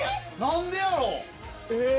何でやろう？